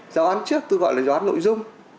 giáo án trước tôi gọi là giáo án nội dung